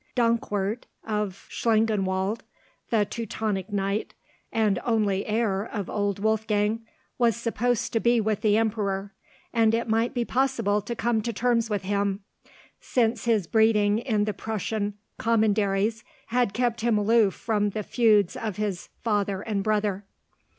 Dankwart of Schlangenwald, the Teutonic knight, and only heir of old Wolfgang, was supposed to be with the Emperor, and it might be possible to come to terms with him, since his breeding in the Prussian commanderies had kept him aloof from the feuds of his father and brother.